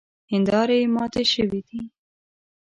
هیندارې ماتې شوې دي.